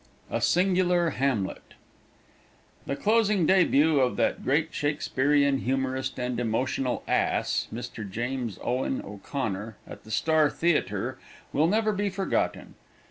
A SINGULAR "HAMLET" IX The closing debut of that great Shakespearian humorist and emotional ass, Mr. James Owen O'Connor, at the Star Theater, will never be forgotten.